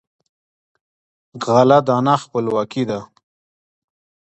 غله دانه خپلواکي ده.